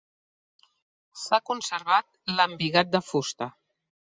S'ha conservat l'embigat de fusta.